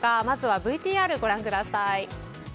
まずはＶＴＲご覧ください。